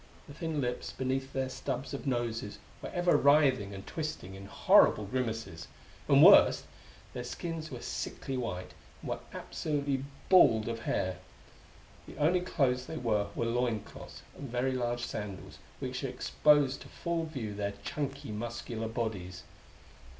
The thin lips beneath their stubs of noses were ever writhing and twisting in horrible grimaces. And, worst, their skins were sickly white, and were absolutely bald of hair. The only clothes they wore were loin cloths and very large sandals, which exposed to full view their chunky, muscular bodies.